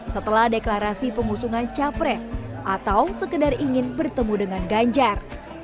setelah deklarasi pengusungan capres atau sekedar ingin bertemu dengan ganjar